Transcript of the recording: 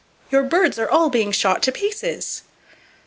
Your birds are all being shot to pieces!"